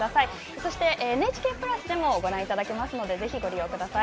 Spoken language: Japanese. そして「ＮＨＫプラス」でもご覧いただけますのでぜひご利用ください。